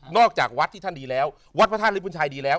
จากวัดที่ท่านดีแล้ววัดพระธาตุริบุญชัยดีแล้ว